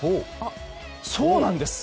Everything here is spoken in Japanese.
そうなんです！